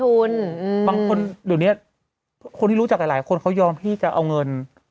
ใช้ทุนอืมบางคนเดี๋ยวเนี้ยคนที่รู้จักแต่หลายคนเขายอมที่จะเอาเงิน